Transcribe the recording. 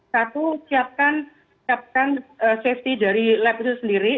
satu siapkan safety dari lab itu sendiri